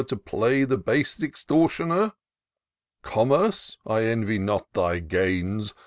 To play the base extortioner ? Commerce ! I envy not thy gains.